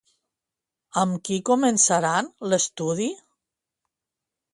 Amb qui començaran l'estudi?